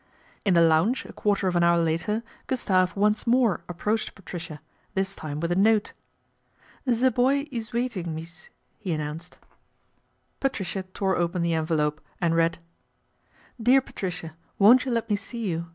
In the lounge a quarter of an hour later, Gustave once more approached Patricia, this time with a note. " The boy ees waiting, mees," he announced. Patricia tore open the envelope and read :" DEAR PATRICIA, " Won't you let me see you